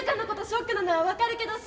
ショックなのは分かるけどさ。